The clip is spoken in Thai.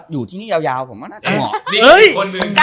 อยู่ที่นี้ยาวผมก็นะจังหรอก